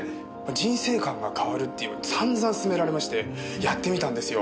人生観が変わるって散々勧められましてやってみたんですよ。